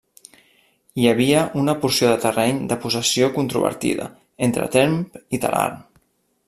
Hi havia una porció de terreny de possessió controvertida, entre Tremp i Talarn.